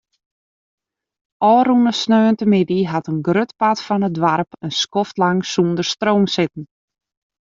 Ofrûne sneontemiddei hat in grut part fan it doarp in skoftlang sûnder stroom sitten.